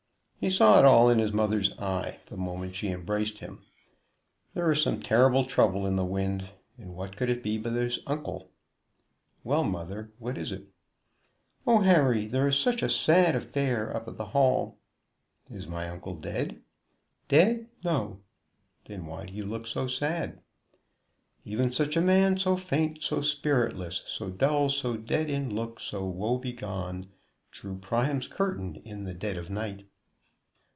He saw it all in his mother's eye the moment she embraced him. There was some terrible trouble in the wind, and what could it be but his uncle? "Well, mother, what is it?" "Oh, Harry, there is such a sad affair up at the Hall!" "Is my uncle dead?" "Dead! No!" "Then why do you look so sad? "'Even such a man, so faint, so spiritless, So dull, so dead in look, so woe begone, Drew Priam's curtain in the dead of night.'"